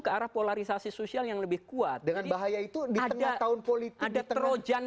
ke arah polarisasi sosial yang lebih kuat dengan bahaya itu di tengah tahun politik